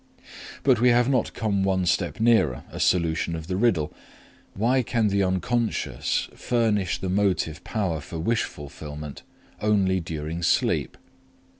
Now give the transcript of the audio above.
But we have not come one step nearer a solution of the riddle: Why can the unconscious furnish the motive power for the wish fulfillment only during sleep?